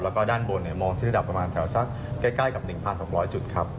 แล้วก็ด้านบนมองที่ระดับประมาณแถวสักใกล้กับ๑๒๐๐จุดครับ